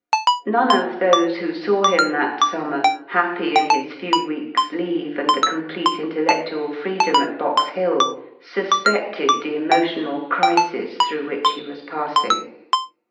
None of those who saw him J that summer, happjinhisfeiM. weeks* leave and the complete xiii B Jjttelh^ualfreedom at Box Hill, impeded the emotional crisk i throughwhtch he was passmg.